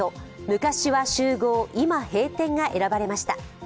昔は集合今閉店」が選ばれました。